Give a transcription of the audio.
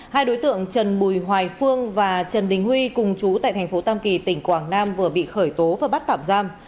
hai đối tượng trần bùi hoài phương và trần đình huy cùng chú tại thành phố tam kỳ tỉnh quảng nam vừa bị khởi tố và bắt tạm giam